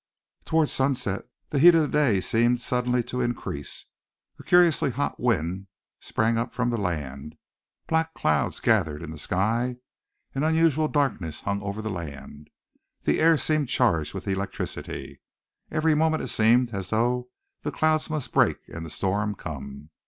Towards sunset, the heat of the day seemed suddenly to increase. A curiously hot wind sprang up from the land, black clouds gathered in the sky, and unusual darkness hung over the land. The air seemed charged with electricity. Every moment it seemed as though the clouds must break and the storm come.